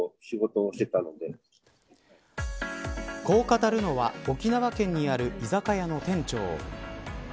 こう語るのは沖縄県にある居酒屋の店長。